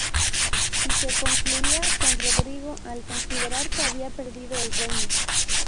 Y se concluía con Rodrigo, al considerar que había perdido el reino.